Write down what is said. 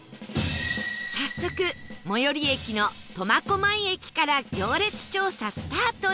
早速最寄り駅の苫小牧駅から行列調査スタートです